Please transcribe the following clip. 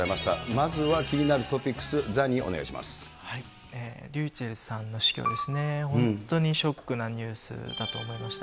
まずは気になるトピックス、ｒｙｕｃｈｅｌｌさんの死去ですね、本当にショックなニュースだと思いました。